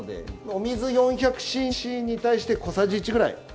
お水４００ｃｃに対して小さじ１くらい。